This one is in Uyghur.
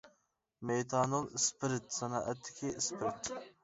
مېتانول ئىسپىرت سانائەتتىكى ئىسپىرت .